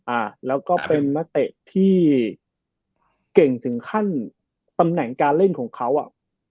อ่าแล้วก็เป็นนักเตะที่เก่งถึงขั้นตำแหน่งการเล่นของเขาอ่ะ